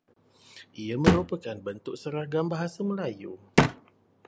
Ia merupakan bentuk seragam bahasa Melayu.